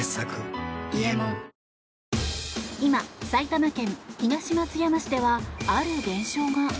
今、埼玉県東松山市ではある現象が。